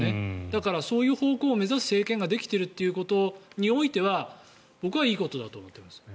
だからそういう方向を目指す政権ができていることにおいては僕はいいことだと思っています。